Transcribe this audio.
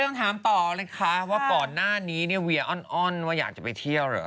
ต้องถามต่อเลยค่ะว่าก่อนหน้านี้เนี่ยเวียอ้อนว่าอยากจะไปเที่ยวเหรอ